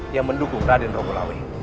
yang mendukung raden ronggolawe